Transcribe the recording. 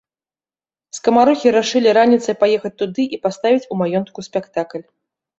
Скамарохі рашылі раніцай паехаць туды і паставіць у маёнтку спектакль.